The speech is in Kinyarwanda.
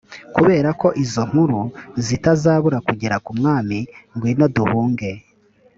kubera ko izo nkuru zitazabura kugera ku mwami ngwino duhunge